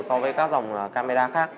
so với các dòng camera khác